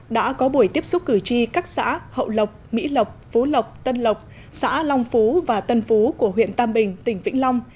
đã có buổi tiếp xúc cử tri các xã hậu lộc mỹ lộc phú lộc tân lộc xã long phú và tân phú của huyện tam bình tỉnh vĩnh long